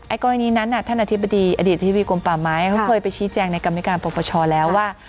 กรณีนั้นท่านอธิบดีอดีตธิบดีกรมป่าไม้เขาเคยไปชี้แจงในกรรมการปรปชแล้วว่า